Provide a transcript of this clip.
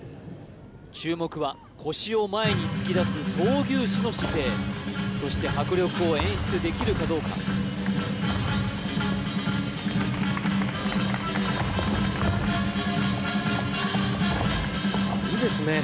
注目は腰を前に突き出す闘牛士の姿勢そして迫力を演出できるかどうかあっいいですね